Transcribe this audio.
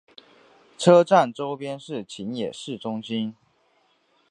车站周边是秦野市中心。